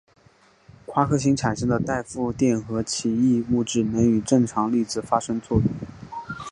夸克星产生的带负电荷奇异物质能与正常粒子发生作用。